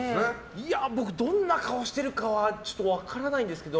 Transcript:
僕、どんな顔してるかはちょっと分からないんですけど。